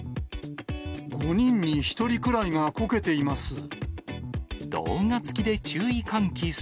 ５人に１人くらいがこけています。